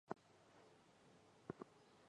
南传佛教称此为第四次结集。